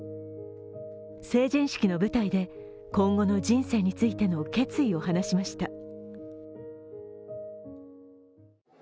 成人式の舞台で今後の人生についての決意を話しました。